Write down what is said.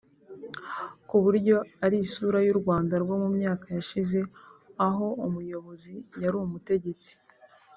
ku buryo ari isura y’u Rwanda rwo mu myaka yashize aho umuyobozi yari umutegetsi